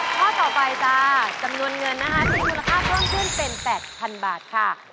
ข้อต่อไปจำนวนเงินที่มีคุณค่าพร่องขึ้นเป็น๘๐๐๐บาทค่ะ